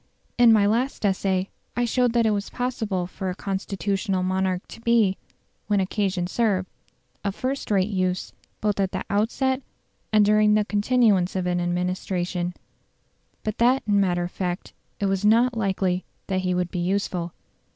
In my last essay I showed that it was possible for a constitutional monarch to be, when occasion served, of first rate use both at the outset and during the continuance of an administration; but that in matter of fact it was not likely that he would be useful.